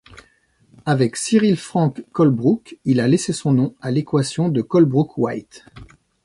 Avec Cyril Frank Colebrook, il a laissé son nom à l'équation de Colebrook-White.